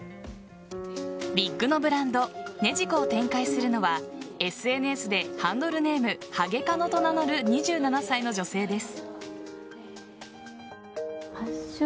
ウィッグのブランドＮＥＪＩＫＯを展開するのはＳＮＳでハンドルネーム・ハゲカノと名乗る２７歳の女性です。